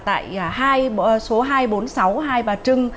tại số hai trăm bốn mươi sáu hai bà trưng